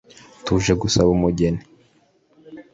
tuje gusaba umugeni